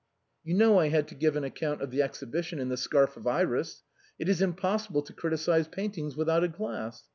" You know I had to give an account of the Exhibition in the * Scarf of Iris.' It is impossible to criticize paintings without a glass.